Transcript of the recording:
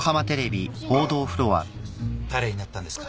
誰になったんですか？